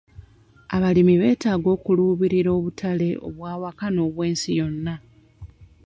Abalimi beetaaga okuluubirira abutale obw'awaka n'obwensi yonna.